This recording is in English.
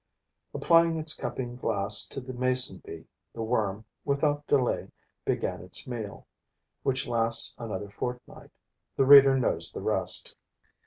Applying its cupping glass to the mason bee, the worm, without delay, began its meal, which lasts another fortnight. The reader knows the rest.